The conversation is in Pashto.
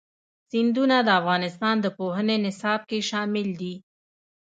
سیندونه د افغانستان د پوهنې نصاب کې شامل دي.